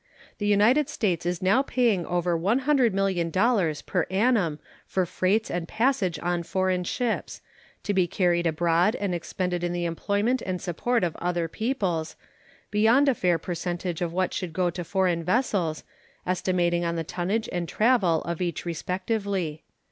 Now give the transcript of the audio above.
The United States is now paying over $100,000,000 per annum for freights and passage on foreign ships to be carried abroad and expended in the employment and support of other peoples beyond a fair percentage of what should go to foreign vessels, estimating on the tonnage and travel of each respectively.